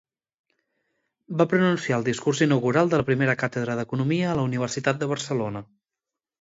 Va pronunciar el discurs inaugural de la primera càtedra d'economia a la Universitat de Barcelona.